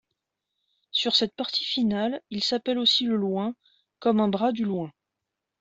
Sur cette partie finale, il s'appelle aussi le Loing comme un bras du Loing.